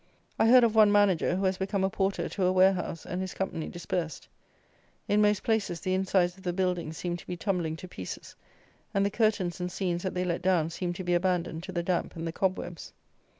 I heard of one manager who has become a porter to a warehouse, and his company dispersed. In most places the insides of the buildings seem to be tumbling to pieces; and the curtains and scenes that they let down seem to be abandoned to the damp and the cobwebs.